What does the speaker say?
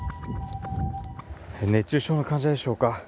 熱中症の患者でしょうか。